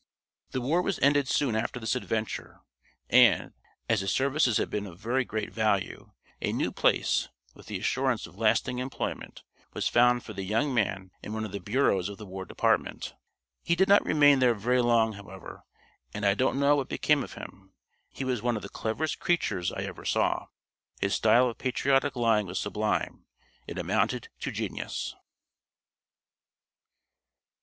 The war was ended soon after this adventure, and, as his services had been of very great value, a new place, with the assurance of lasting employment, was found for the young man in one of the bureaus of the War Department. He did not remain there very long, however, and I don't know what became of him. He was one of the cleverest creatures I ever saw. His style of patriotic lying was sublime; it amounted to genius.